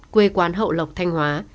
quê quán hậu lộc thanh hóa